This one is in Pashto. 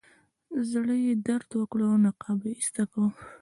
زړه یې درد وکړ او نقاب یې ایسته کړ.